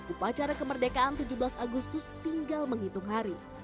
upacara kemerdekaan tujuh belas agustus tinggal menghitung hari